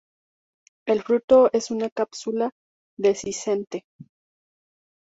El fruto es una cápsula dehiscente.